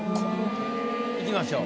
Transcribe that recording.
いきましょう。